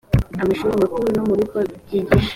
amashuri makuru no mu bigo byigisha